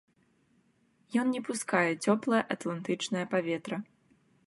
Ён не пускае цёплае атлантычнае паветра.